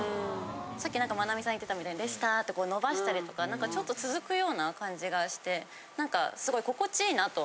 さっきマナミさん言ってたみたいに「でした」って伸ばしたりとかちょっと続くような感じがして何かすごい。